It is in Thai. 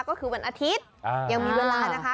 ก็คือวันอาทิตย์ยังมีเวลานะคะ